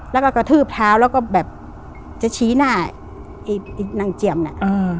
แล้วก็กระทืบเท้าแล้วก็แบบจะชี้หน้าไอ้นางเจียมเนี่ย